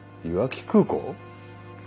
いわき空港？